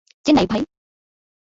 চেন্নাই, ভাই।